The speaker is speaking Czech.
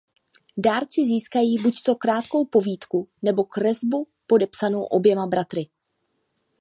Dárci získají buďto krátkou povídku nebo kresbu podepsanou oběma bratry.